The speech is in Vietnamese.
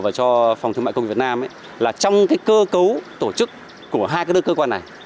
và cho phòng thương mại công nghiệp việt nam là trong cơ cấu tổ chức của hai cơ quan này